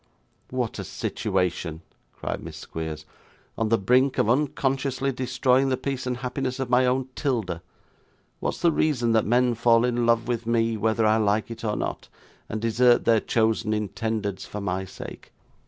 'What a situation!' cried Miss Squeers; 'on the brink of unconsciously destroying the peace and happiness of my own 'Tilda. What is the reason that men fall in love with me, whether I like it or not, and desert their chosen intendeds for my sake?